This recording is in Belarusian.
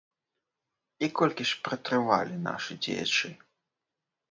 І колькі ж пратрывалі нашы дзеячы?